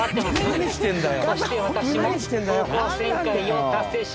何してんだよ！